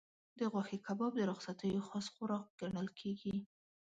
د غوښې کباب د رخصتیو خاص خوراک ګڼل کېږي.